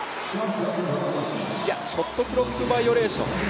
いや、ショットクロックバイオレーション。